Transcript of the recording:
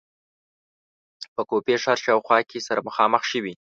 په کوفې ښار شاوخوا کې سره مخامخ شوې.